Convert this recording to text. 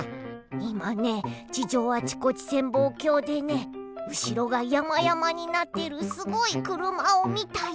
いまね地上あちこち潜望鏡でねうしろがやまやまになってるすごいくるまをみたよ。